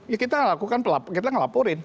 ya kita lakukan kita ngelaporin